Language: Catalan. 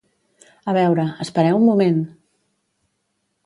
A veure, espereu un moment!